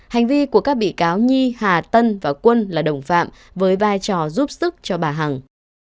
hành vi của các bị cáo nhi hà tân và quân là đồng phạm với vai trò giúp sức cho bà hằng